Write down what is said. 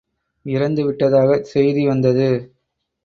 இறந்துவிட்டதாகச் செய்தி வந்தது.